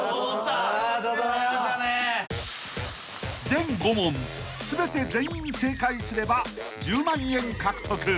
［全５問全て全員正解すれば１０万円獲得］